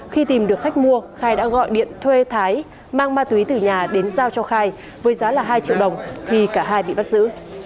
khi tìm được khách mua khai đã gọi điện thuê thái mang ma túy từ nhà đến giao cho khai với giá là hai triệu đồng thì cả hai bị bắt giữ